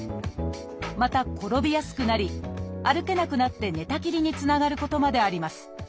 また転びやすくなり歩けなくなって寝たきりにつながることまであります。